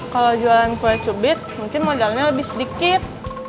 kalau jualan kue cubit mungkin modalnya lebih sedikit